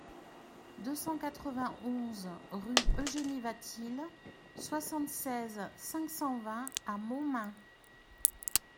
deux cent quatre-vingt-onze rue Eugénie Watteel, soixante-seize, cinq cent vingt à Montmain